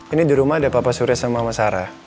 ini di rumah ada papa surya sama mas sarah